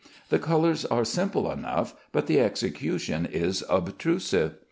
The colors are simple enough, but the execution is obtrusive.